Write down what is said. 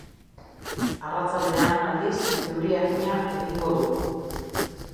Arratsaldean, aldiz, euri arina egingo du.